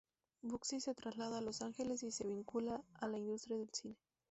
Bugsy se traslada a Los Ángeles y se vincula a la industria del cine.